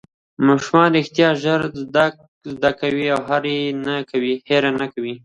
ماشومان رښتیا ژر زده کوي او هېر یې نه کوي